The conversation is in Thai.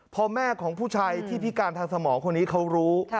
พอแม่ของผู้ชายที่พิการทางสมองคนนี้เขารู้